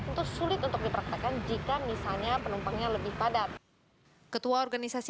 itu sulit untuk dipraktekkan jika misalnya penumpangnya lebih padat ketua organisasi